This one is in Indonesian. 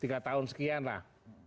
tiga tahun sekian lah